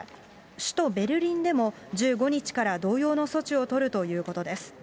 首都ベルリンでも、１５日から同様の措置を取るということです。